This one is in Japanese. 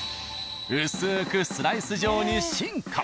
薄くスライス状に進化。